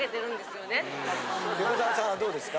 横澤さんはどうですか？